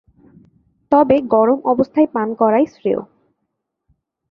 তবে গরম অবস্থায় পান করাই শ্রেয়।